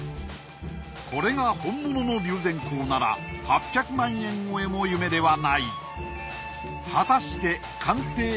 これが本物の龍涎香なら８００万円超えも夢ではないいや